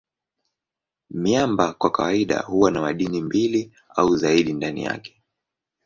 Miamba kwa kawaida huwa na madini mbili au zaidi ndani yake.